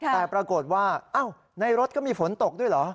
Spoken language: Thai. แต่ปรากฏว่าในรถก็มีฝนตกด้วยเหรอ